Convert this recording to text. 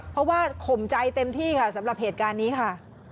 เพราะว่าข่มใจเต็มที่ค่ะสำหรับเหตุการณ์นี้ค่ะ